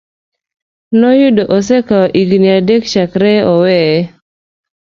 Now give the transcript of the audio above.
noyudo osekawo higini adek chakre oweye.